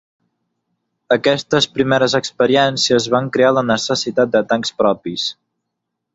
Aquestes primeres experiències van crear la necessitat de tancs propis.